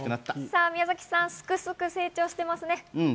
宮崎さん、すくすくと成長してますね。